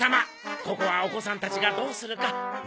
ここはお子さんたちがどうするか見守りましょう。